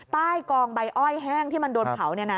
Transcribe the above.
ใต้กองใบอ้อยแห้งที่มันโดนเผา